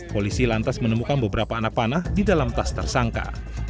polisi lantas menemukan beberapa anak panah di dalam tas tersangka